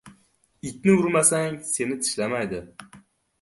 • Itni urmasang seni tishlamaydi.